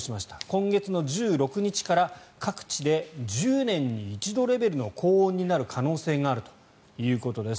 今月の１６日から各地で１０年に一度レベルの高温になる可能性があるということです。